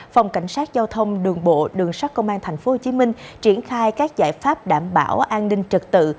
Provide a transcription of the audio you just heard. phòng cảnh sát giao thông đường bộ đường sát công an tp hcm triển khai các giải pháp đảm bảo an ninh trật tự